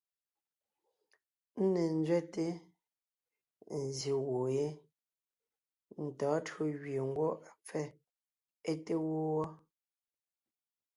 Ńne ńzẅɛte, nzsyè gwoon yé, ntɔ̌ɔn tÿǒ gẅie ngwɔ́ á pfɛ́ é te wó wɔ́,